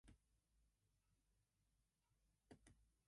Most modern answering machines have a system for greeting.